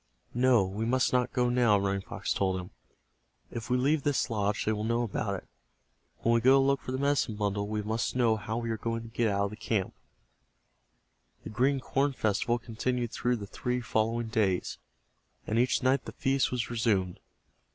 "No, we must not go now," Running Fox told him. "If we leave this lodge they will know about It. When we go to look for the medicine bundle we must know how we are going to get out of the camp." The Green Corn Festival continued through the three following days, and each night the feast was resumed.